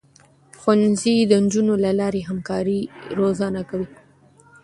ښوونځی د نجونو له لارې همکاري روزنه کوي.